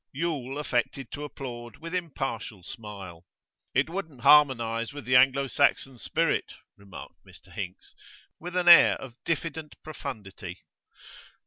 Yule affected to applaud with impartial smile. 'It wouldn't harmonise with the Anglo Saxon spirit,' remarked Mr Hinks, with an air of diffident profundity.